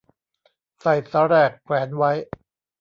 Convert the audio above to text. ใส่สาแหรกแขวนไว้